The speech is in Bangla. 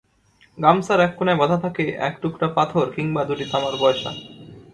গামছার এক কোনায় বাঁধা থাকে এক টুকরা পাথর কিংবা দুটি তামার পয়সা।